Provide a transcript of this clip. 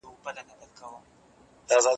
د پښتورګو تېږې د کمو اوبو له امله راپیدا کېږي.